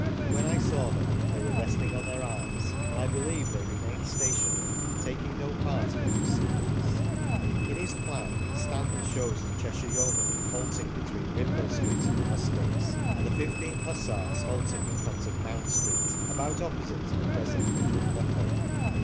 When I saw them they were resting on their arms, and I believe they remained stationary, taking no part in the proceedings". In his plan Stanley shows the Cheshire Yeomanry halting between Windmill Street and the hustings, and the 15th Hussars halting in front of Mount Street, about opposite to the present Midland Buffet.